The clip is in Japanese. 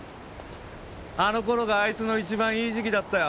あの頃があいつの一番いい時期だったよ。